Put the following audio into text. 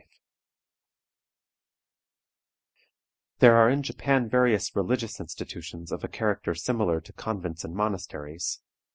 There are in Japan various religious institutions of a character similar to convents and monasteries.